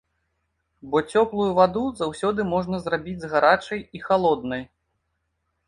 Бо цёплую ваду заўсёды можна зрабіць з гарачай і халоднай.